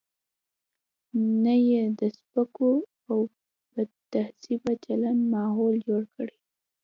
نه یې د سپکو او بدتهذیبه چلن ماحول جوړ کړي.